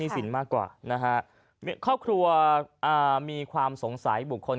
สินมากกว่านะฮะครอบครัวอ่ามีความสงสัยบุคคล